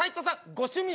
ご趣味は？